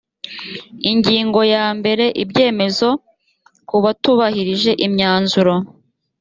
ingingo ya mbere ibyemezo ku batubahirije imyanzuro